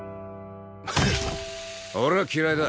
俺は嫌いだ。